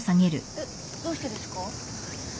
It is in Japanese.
えっどうしてですか？